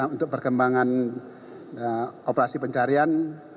untuk perkembangan operasi pencarian